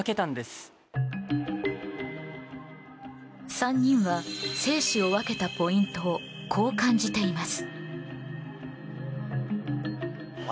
３人は生死を分けたポイントをこう感じています。